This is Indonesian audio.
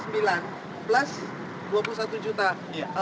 kurang lebih tiga puluh juta lah